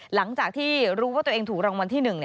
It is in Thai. หลังจากที่รู้ว่าตัวเองถูกรองมันที่หนึ่ง